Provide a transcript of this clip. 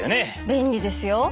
便利ですよ。